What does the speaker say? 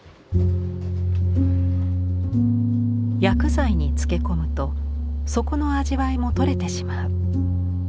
薬剤につけ込むと底の味わいも取れてしまう。